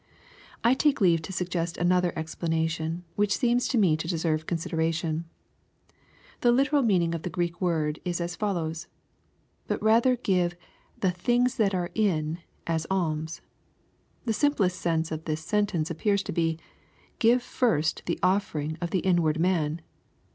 I take leave to suggest another explanation, which seems to me to deserve consideration. The literal meaning of the Greek word is as follows, —" But rather give the things that are in, as alms."— The simplest sense of this sentence appears to be, " Give first the offering: of thai nward man.